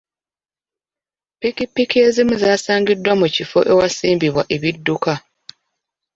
Ppikipiki ezimu zaasangiddwa mu kifo ewasimbibwa ebidduka.